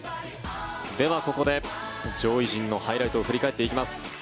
では、ここで上位陣のハイライトを振り返っていきます。